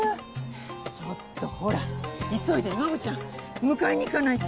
ちょっとほら急いでノブちゃん迎えにいかないと。